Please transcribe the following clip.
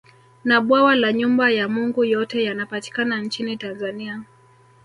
Na Bwawa la Nyumba ya Mungu yote yanapatikana nchini Tanzania